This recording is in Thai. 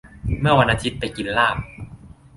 เมื่อวันอาทิตย์ไปกินลาบ